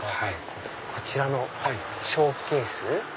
こちらのショーケース